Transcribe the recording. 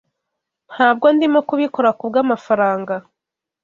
Ntabwo ndimo kubikora kubwamafaranga.